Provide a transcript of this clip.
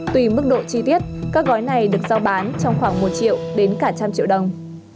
tùy mức độ chi tiết các gói này được giao bán trong khoảng một triệu đến cả trăm triệu đồng